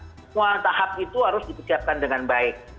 semua tahap itu harus dipersiapkan dengan baik